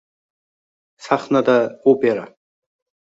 Sahnada opera